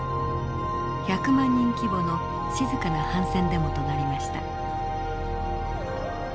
１００万人規模の静かな反戦デモとなりました。